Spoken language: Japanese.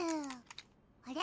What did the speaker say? あれ？